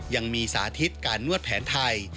ยังมีสาธิตการนวดแผนไทย